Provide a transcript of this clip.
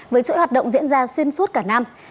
với chuỗi hoạt động diễn ra xuyên suốt cả năm